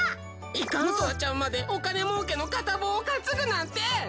イカンソワちゃんまでお金もうけの片棒を担ぐなんて！